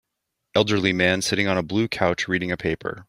Elderly man sitting on a blue couch reading a paper.